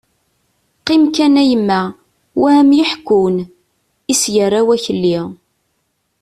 - Qqim kan a yemma, wa ad am-yeḥkun! I as-yerra Wakli.